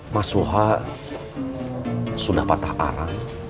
mas suha sudah patah arang